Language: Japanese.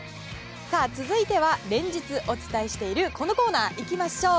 続いては連日お伝えしているこのコーナーいきましょう。